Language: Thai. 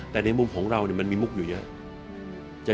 แต่ในมุมของเรามันมีมุกอยู่เยอะ